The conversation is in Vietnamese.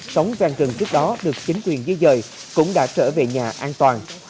sống vàng gần trước đó được chính quyền dây dời cũng đã trở về nhà an toàn